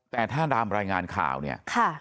แต่ท่านรามรายงานข่าวเนี่ยครับ